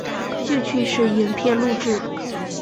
兴趣是影片录制。